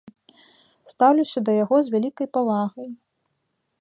Стаўлюся да яго з вялікай павагай.